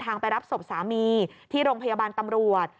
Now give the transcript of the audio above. ไปรับศพสามีที่โรงพยาบาลตำรวจ